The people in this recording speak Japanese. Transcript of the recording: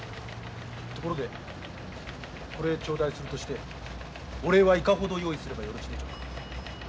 ところでこれちょうだいするとしてお礼はいかほど用意すればよろしいでしょうか？